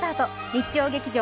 日曜劇場